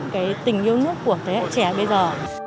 cái tình yêu nước của thế hệ trẻ bây giờ